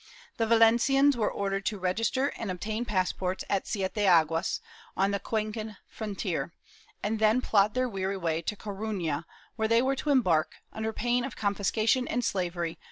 The Valencians were ordered to register and obtain passports at Sieteaguas, on the Cuenca frontier, and then plod their weary way to Coruna, where they were to embark, under pain of confiscation and slavery, while ' Danvila y CoUado, pp.